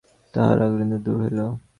তাঁহার আহারনিদ্রা দূর হইল।